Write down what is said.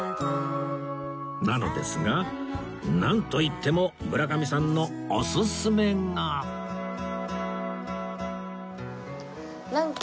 なのですがなんといっても村上さんのおすすめがなんか。